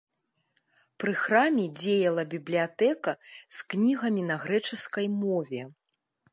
Пры храме дзеяла бібліятэка з кнігамі на грэчаскай мове.